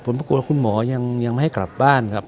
แล้วคุณหมอยังไม่ให้กลับบ้าน